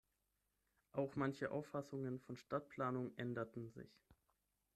Auch manche Auffassungen von Stadtplanung änderten sich.